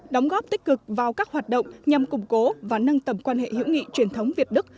đóng góp tích cực vào các hoạt động nhằm củng cố và nâng tầm quan hệ hữu nghị truyền thống việt đức